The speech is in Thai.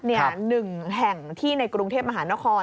หนึ่งแห่งที่ในกรุงเทพมหานคร